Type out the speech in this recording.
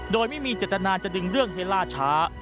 โดยไม่มีเจตนาจะดึงเรื่องให้ล่าช้า